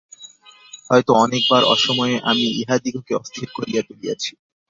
হয়তো অনেকবার অসময়ে আমি ইঁহাদিগকে অস্থির করিয়া তুলিয়াছি।